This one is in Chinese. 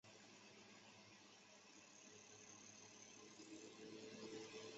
知识鸿沟假设指传播媒体使知识丰富和知识缺乏间的距离增加。